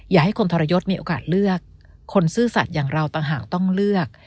ให้คนทรยศมีโอกาสเลือกคนซื่อสัตว์อย่างเราต่างหากต้องเลือก